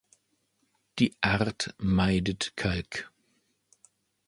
Die Art meidet Kalk.